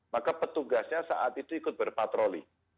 maka petugasnya saat itu ikut berpatroli